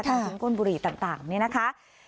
ทั้งก้นบุหรี่ต่างนี้นะคะ